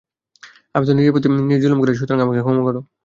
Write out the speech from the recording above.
আমি তো আমার নিজের প্রতি জুলুম করেছি, সুতরাং আমাকে ক্ষমা কর।